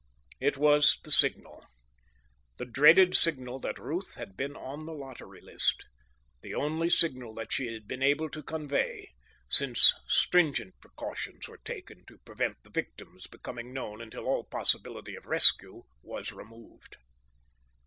It was the signal, the dreaded signal that Ruth had been on the lottery list the only signal that she had been able to convey, since stringent precautions were taken to prevent the victims becoming known until all possibility of rescue was removed.